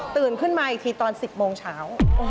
ขึ้นมาอีกทีตอน๑๐โมงเช้า